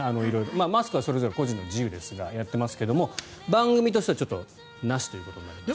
マスクはそれぞれ個人の自由ですがやっていますが番組としてはなしということになりました。